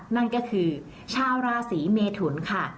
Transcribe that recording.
นั่นก็คือชาวราศีเมทุนค่ะ